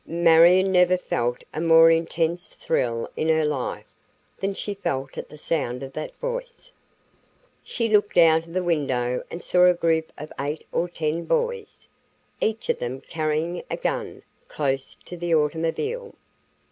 Marion never felt a more intense thrill in her life than she felt at the sound of that voice. She looked out of the window and saw a group of eight or ten boys, each of them carrying a gun, close to the automobile.